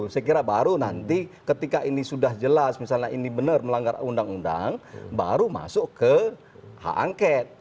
saya kira baru nanti ketika ini sudah jelas misalnya ini benar melanggar undang undang baru masuk ke hak angket